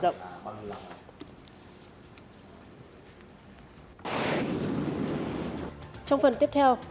trong phần tiếp theo